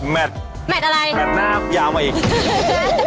แมทแมทหน้าออกยาวมาอีก